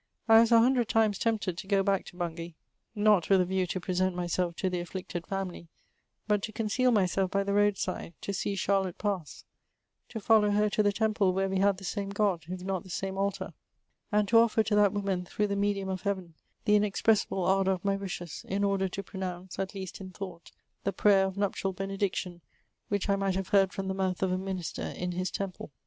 I was a hundred times tempted to go back to Bungay — not with a view to present myself to the afflicted fieunily, hut to ooneeal mjself by the road side, to see Charlotte pass ; to fdHiaw her to the temple where we had ihe same Grod, if not the same altar, and to offer to that woman, through the medium of Heaven, the inexpressible ardour of my wishes, in order to pronounce, at least in thought, the prayer of nuptial benediction, whieh I might have heard from the mouth of a minister in His temple.